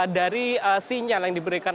dari sinyal yang diberikan